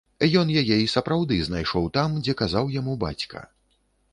Ён яе і сапраўды знайшоў, там, дзе казаў яму бацька.